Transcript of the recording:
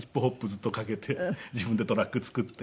ずっとかけて自分でトラック作って。